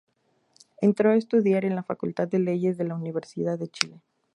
Entró a estudiar en la Facultad de Leyes de la Universidad de Chile.